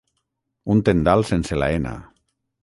Un tendal sense la ena.